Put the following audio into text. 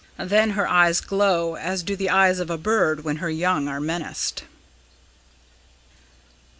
Then her eyes glow as do the eyes of a bird when her young are menaced."